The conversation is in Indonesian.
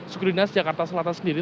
suku dinas jakarta selatan sendiri